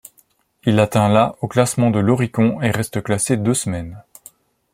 Il atteint la au classement de l'Oricon et reste classé deux semaines.